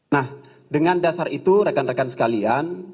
nah dengan dasar itu rekan rekan sekalian